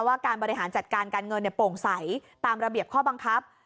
การบริหารจัดการการเงินโปร่งใสตามระเบียบข้อบังคับ